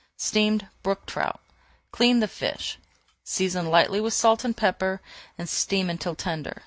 STEAMED BROOK TROUT Clean the fish, season lightly with salt and pepper and steam until tender.